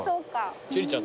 千里ちゃん